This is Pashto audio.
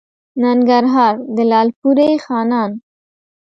ننګرهار؛ د لالپورې خانان